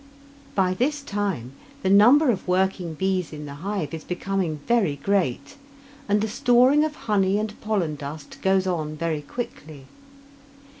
By this time the number of working bees in the hive is becoming very great, and the storing of honey and pollen dust goes on very quickly.